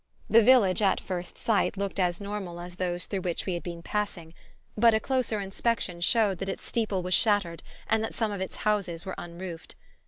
The village, at first sight, looked as normal as those through which we had been passing; but a closer inspection showed that its steeple was shattered and that some of its houses were unroofed.